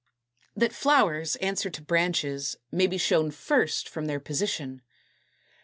244. That flowers answer to branches may be shown, first, from their position.